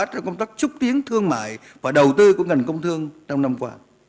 trong công tác xúc tiến thương mại và đầu tư của ngành công thương trong năm qua